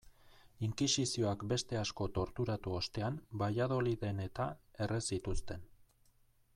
Inkisizioak beste asko torturatu ostean Valladoliden-eta erre zituzten.